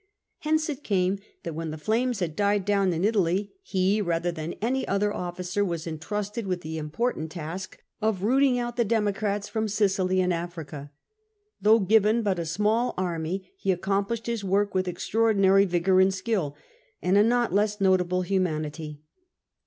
Hence it came that when the flames had died down in Italy, he, rather than any other officer, was entrusted with the important task of rooting out the Democrats from Sicily and Africa. Though given but a small army, he accomplished his work with extraordinary vigour and skill, and a not less notable humanity.